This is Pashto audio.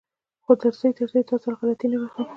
خو درځي درځي دا ځل غلطي نه بښم.